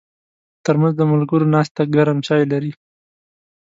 ترموز د ملګرو ناستې ته ګرم چای لري.